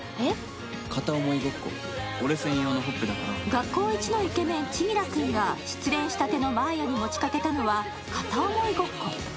学校一のイケメン・千輝くんが失恋したての真綾に持ちかけたのは、片想いごっこ。